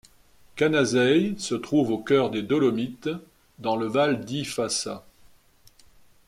Canazei se trouve au cœur des Dolomites, dans le Val di Fassa.